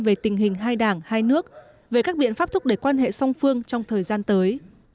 về tình hình hai đảng hai nước về các biện pháp thúc đẩy quan hệ song phương trong thời gian tới